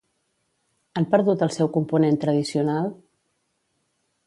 Han perdut el seu component tradicional?